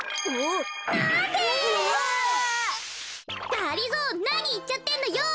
がりぞーなにいっちゃってんのよ。